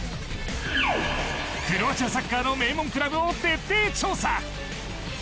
クロアチアサッカーの名門クラブを徹底調査！